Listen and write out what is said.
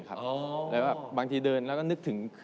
ค่ะแล้วบางทีเดินเราก็นึกถึง